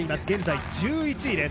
現在１１位。